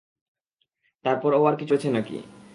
তারপর ও আর কিছু করেছে নাকি?